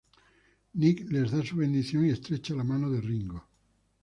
Nick les da su bendición y estrecha la mano de Ringo.